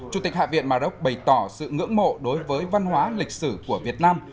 chủ tịch hạ viện maroc bày tỏ sự ngưỡng mộ đối với văn hóa lịch sử của việt nam